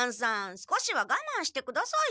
少しはがまんしてくださいよ。